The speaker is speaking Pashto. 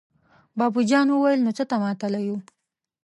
بابو جان وويل: نو څه ته ماتله يو!